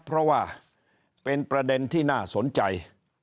เพราะว่าเป็นประเด็นที่น่าสนใจ